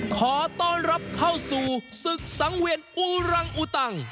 ขอต้อนรับเข้าสู่ศึกสังเวียนอูรังอุตัง